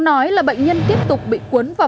nói là bệnh nhân tiếp tục bị cuốn vào